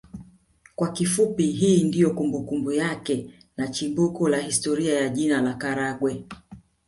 Kwa kifupi hii ndio kumbukumbu yake na chimbuko la historia ya jina Karagwe